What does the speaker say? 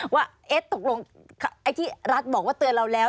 ว่าตกลงไอ้ที่รัฐบอกว่าเตือนเราแล้ว